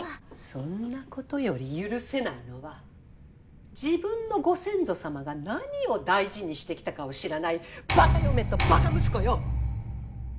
そんなことより許せないのは自分のご先祖さまが何を大事にしてきたかを知らないバカ嫁とバカ息子よ！